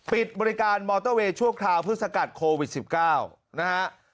ปิดบริการมอเตอร์เวย์ชั่วคราวเพื่อสกัดโควิด๑๙นะฮะ